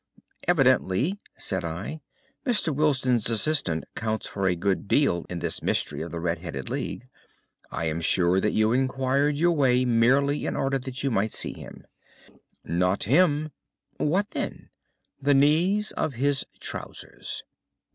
"Evidently," said I, "Mr. Wilson's assistant counts for a good deal in this mystery of the Red headed League. I am sure that you inquired your way merely in order that you might see him." "Not him." "What then?" "The knees of his trousers."